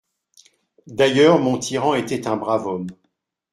D'ailleurs mon tyran était un brave homme.